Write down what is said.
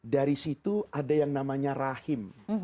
dari situ ada yang namanya rahim